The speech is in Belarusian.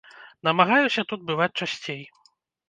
Намагаюся тут бываць часцей.